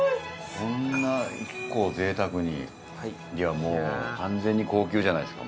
こんな１個をぜいたくにいやもう完全に高級じゃないですか